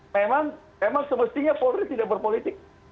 memang memang semestinya polri tidak berpolitik